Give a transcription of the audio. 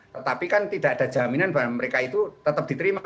tetapi kan tidak ada jaminan bahwa mereka itu tetap diterima